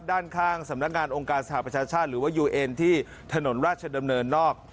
ด้านข้างสำนักงานองค์การสหประชาชาติหรือว่ายูเอ็นที่ถนนราชดำเนินนอก